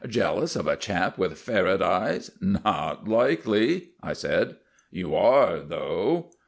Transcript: "Jealous of a chap with ferret eyes! Not likely," I said. "You are, though."